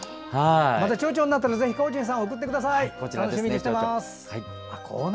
またちょうちょうになったらかおちんさん、送ってください。